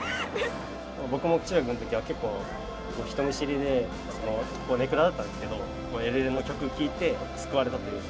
僕も中学の時は結構人見知りで根暗だったんですけどエルレの曲聴いて救われたというか。